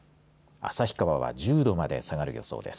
旭川は１０度まで下がる予想です。